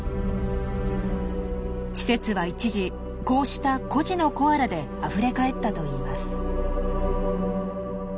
施設は一時こうした孤児のコアラであふれかえったといいます。